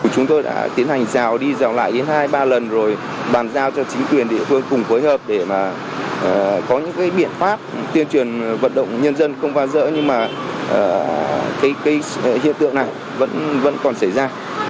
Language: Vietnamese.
chúng tôi đã tiến hành rào đi rào lại đến hai ba lần rồi bàn giao cho chính quyền địa phương cùng phối hợp để mà có những cái biện pháp tiên truyền vận động nhân dân không phá rỡ nhưng mà cái hiện tượng này vẫn còn xảy ra